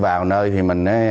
vào nơi thì mình